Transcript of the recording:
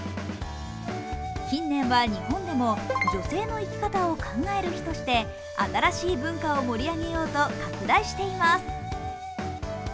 近年は、日本でも女性の生き方を考える日として新しい文化を盛り上げようと拡大しています。